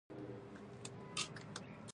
دا ټوله مفکوره د لارډ لیټن خپل خیالات دي.